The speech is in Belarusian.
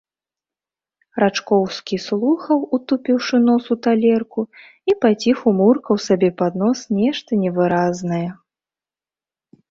Рачкоўскі слухаў, утупіўшы нос у талерку, і паціху муркаў сабе пад нос нешта невыразнае.